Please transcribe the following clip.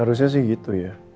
harusnya sih gitu ya